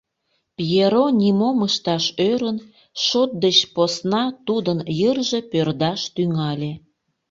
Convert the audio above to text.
Пьеро нимом ышташ ӧрын, шот деч посна тудын йырже пӧрдаш тӱҥале.